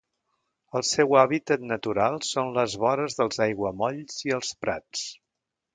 El seu hàbitat natural són les vores dels aiguamolls i els prats.